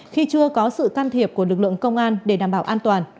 khi chưa có sự can thiệp của lực lượng công an để đảm bảo an toàn